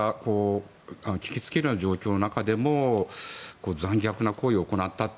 人が聞きつけるような状況の中でも残虐な行為を行った。